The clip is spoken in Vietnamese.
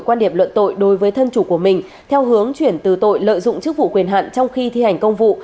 cùng một số bị can khác về hành vi lợi dụng chức vụ quyền hạn trong khi thi hành công vụ